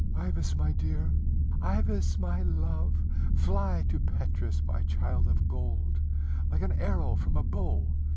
"Ivas, my dear! Ivas, my love! fly to Petrus, my child of gold, like an arrow from a bow.